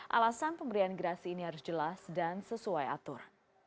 alasan pemberian gerasi ini harus jelas dan sesuai atur